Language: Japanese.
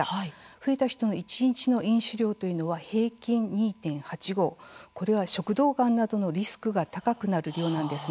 増えた人の一日の飲酒量というのは、平均２．８合これは食道がんなどのリスクが高くなる量なんです。